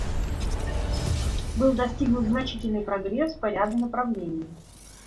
Был достигнут значительный прогресс по ряду направлений.